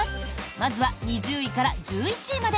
まずは、２０位から１１位まで。